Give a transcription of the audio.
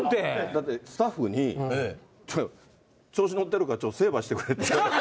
だって、スタッフに、調子乗ってるから、ちょっと成敗してくれって。